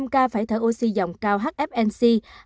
một mươi năm ca phải thở oxy dòng cao hfnc